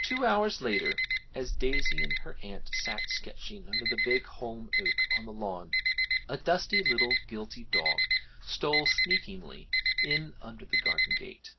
Two hours later, as Daisy and her aunt sat sketching under the big holm oak on the lawn, a dusty little guilty dog stole sneakingly in under the garden gate.